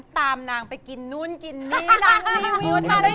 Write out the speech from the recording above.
ตามนางไปกินนู้นกินนี่นาง